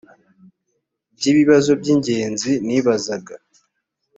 by ibibazo by ingenzi nibazaga